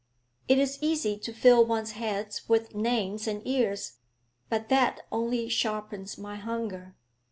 It is easy to fill one's head with names and years, but that only sharpens my hunger.